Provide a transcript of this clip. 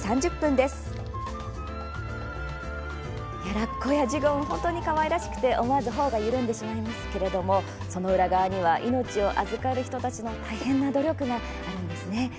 ラッコやジュゴン本当にかわいらしくて思わずほおが緩んでしまいますけれどもその裏側には命を預かる人たちの大変な努力があるんですね。